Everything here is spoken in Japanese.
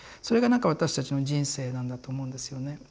それがなんか私たちの人生なんだと思うんですよね。